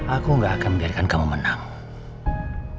aku ingin mencari ayamku